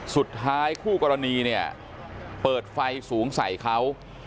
คู่กรณีเนี่ยเปิดไฟสูงใส่เขา